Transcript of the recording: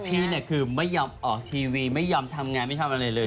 พี่เนี่ยคือไม่ยอมออกทีวีไม่ยอมทำงานไม่ทำอะไรเลย